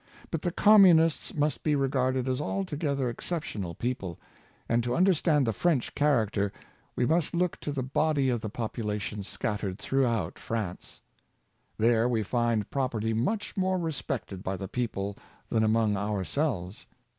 But the Communists must be regarded as altogether exceptional people; and to un derstand the French character, we must look to the body of the population scattered throughout France, There we find property much more respected by the people than among ourselves.